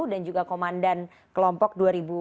dan juga komandan kelompok dua ribu sembilan belas